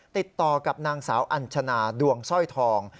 ติดต่อกับนางสาวอัญชนาดวงสร้อยทอง